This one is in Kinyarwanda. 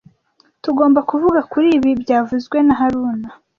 Tugomba kuvuga kuri ibi byavuzwe na haruna